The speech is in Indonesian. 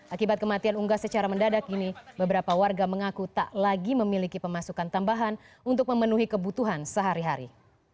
akibat kematian unggas secara mendadak ini beberapa warga mengaku tak lagi memiliki pemasukan tambahan untuk memenuhi kebutuhan sehari hari